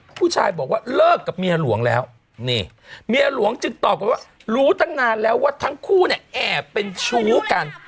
ผู้ชายบอกว่าเลิกกับเมียหลวงแล้วนี่เมียหลวงจึงตอบกันว่ารู้ตั้งนานแล้วว่าทั้งคู่เนี่ยแอบเป็นชู้กัน